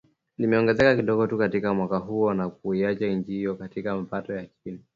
Limeongezeka kidogo tu katika mwaka huo, na kuiacha nchi hiyo chini ya mapato ya chini